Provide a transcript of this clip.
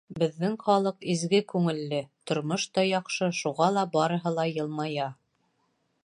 Беҙҙең халыҡ изге күңелле, тормош та яҡшы, шуға ла барыһы ла йылмая.